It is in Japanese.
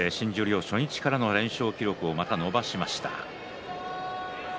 初日からの連勝記録をまた伸ばしました。